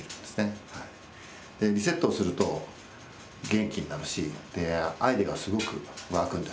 リセットをすると元気になるしアイデアがすごく湧くんです。